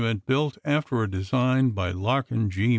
xvl inent, built after a design by Larkin G.